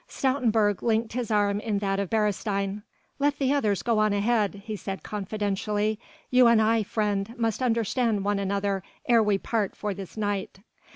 Stoutenburg linked his arm in that of Beresteyn. "Let the others go on ahead," he said confidentially, "you and I, friend, must understand one another ere we part for this night."